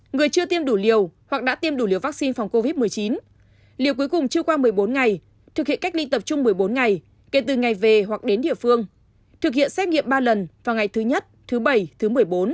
người chưa tiêm đủ liều hoặc đã tiêm đủ liều vaccine phòng covid một mươi chín liều cuối cùng chưa qua một mươi bốn ngày thực hiện cách ly tập trung một mươi bốn ngày kể từ ngày về hoặc đến địa phương thực hiện xét nghiệm ba lần vào ngày thứ nhất thứ bảy thứ một mươi bốn